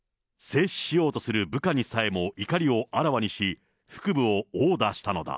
制止しようとする部下にさえも怒りをあらわにし、腹部を殴打したのだ。